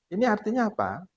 ini artinya apa